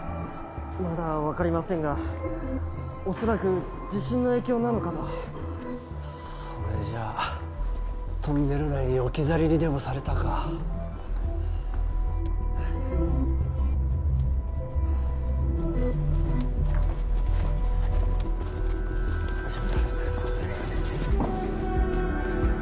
まだ分かりませんが恐らく地震の影響なのかとそれじゃトンネル内に置き去りにでもされたか足元気をつけてください